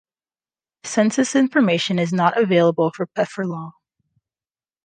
Census information is not available for Pefferlaw.